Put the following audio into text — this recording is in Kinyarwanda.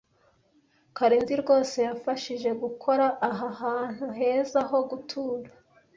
Karenzi rwose yafashije gukora aha hantu heza ho gutura.